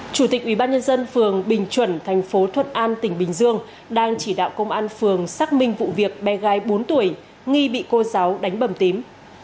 chủ tịch ubnd phường bình chuẩn thành phố thuận an tỉnh bình dương đang chỉ đạo công an phường xác minh vụ việc bé gái bốn tuổi nghi bị cô giáo đánh bầm tím